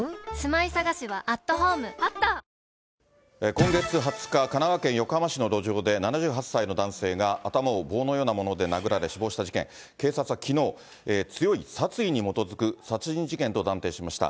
今月２０日、神奈川県横浜市の路上で、７８歳の男性が頭を棒のようなもので殴られ死亡した事件、警察はきのう、強い殺意に基づく殺人事件と断定しました。